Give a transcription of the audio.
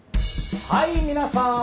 はい皆さん！